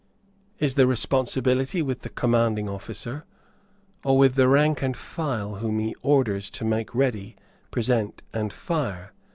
Is the responsibility with the commanding officer, or with the rank and file whom he orders to make ready, present and fire?